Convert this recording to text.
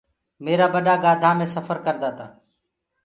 همرآ ٻڏآ گاڌآ مي سڦر ڪردآ تا۔